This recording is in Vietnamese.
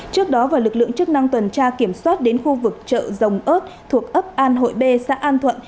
trước đó và lực lượng chức năng tuần tra kiểm soát đến khu vực chợ rồng ớt thuộc ấp an hội b xã an thuận